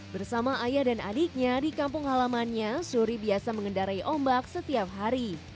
bersama ayah dan adiknya di kampung halamannya suri biasa mengendarai ombak setiap hari